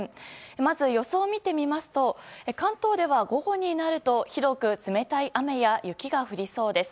まず予想を見てみますと関東では午後になると広く冷たい雨や雪が降りそうです。